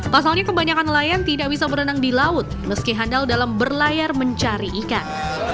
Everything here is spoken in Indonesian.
pasalnya kebanyakan nelayan tidak bisa berenang di laut meski handal dalam berlayar mencari ikan